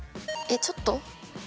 えっちょっと？